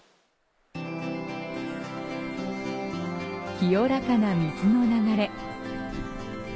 清らかな水の流れ。